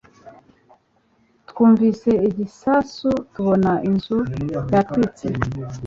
twumvise igisasu tubona inzu yatwitse